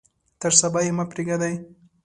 تر صبا یې مه پریږدئ.